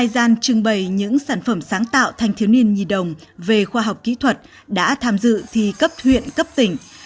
hai mươi hai gian trưng bày những sản phẩm sáng tạo thành thiếu niên nhì đồng về khoa học kỹ thuật đã tham dự thi cấp thuyện cấp tỉnh